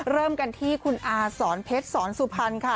เริ่มกันที่คุณอาสอนเพชรสอนสุพรรณค่ะ